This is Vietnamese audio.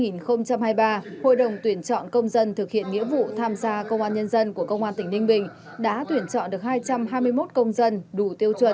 năm hai nghìn hai mươi ba hội đồng tuyển chọn công dân thực hiện nghĩa vụ tham gia công an nhân dân của công an tỉnh ninh bình đã tuyển chọn được hai trăm hai mươi một công dân đủ tiêu chuẩn